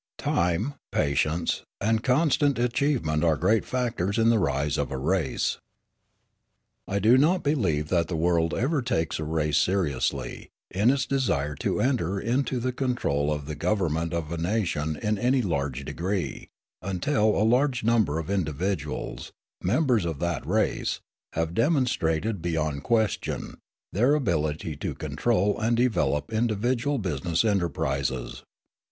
Time, patience, and constant achievement are great factors in the rise of a race. I do not believe that the world ever takes a race seriously, in its desire to enter into the control of the government of a nation in any large degree, until a large number of individuals, members of that race, have demonstrated, beyond question, their ability to control and develop individual business enterprises.